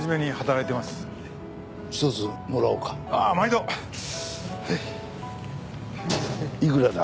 いくらだ？